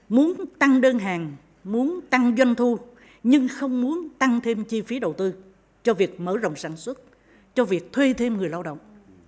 muốn tăng đơn hàng muốn tăng doanh thu nhưng không muốn tăng thêm chi phí đầu tư cho việc mở rộng sản xuất cho việc thuê thêm người lao động